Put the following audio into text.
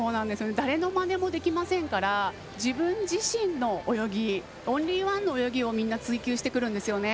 誰のまねもできませんから自分自身の泳ぎオンリーワンの泳ぎをみんな追求してくるんですよね。